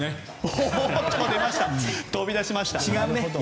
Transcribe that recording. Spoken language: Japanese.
飛び出しました！